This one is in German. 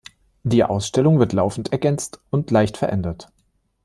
Die Ausstellung wird laufend ergänzt und leicht verändert.